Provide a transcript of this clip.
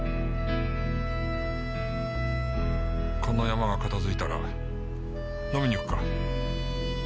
このヤマが片づいたら飲みに行くか。